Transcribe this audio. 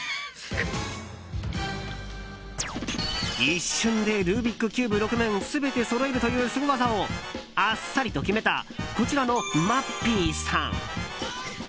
一瞬でルービックキューブ６面全てそろえるというスゴ技をあっさりと決めたこちらのまっぴーさん。